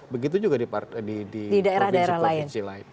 begitu juga di provinsi provinsi lain